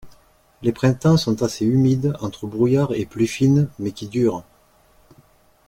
Les printemps sont assez humides entre brouillard et pluies fines mais qui durent.